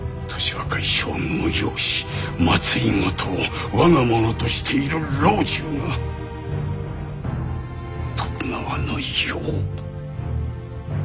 若い将軍を擁し政を我が物としている老中が徳川の世を曇らせておる。